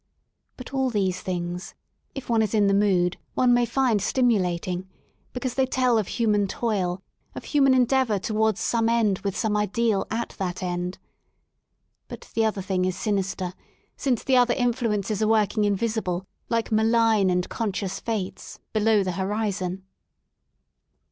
But all these things, if one is in the mood, one may find stimulat ing, because they tell of human toil, of human en deavour towards some end with some ideal at that end But the other thing is sinister, since the other in fluences are working invisible, like malign and con scious fates, below the horizon.